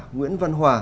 nguyễn văn hòa